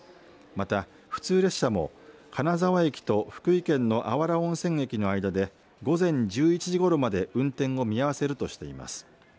また普通列車も金沢駅と福井県の芦原温泉駅の間で午前１１時ごろまで運転を見合わせるとしています。